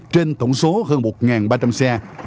trên tổng số hơn một xe